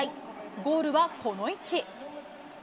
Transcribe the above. ゴールはこの位置。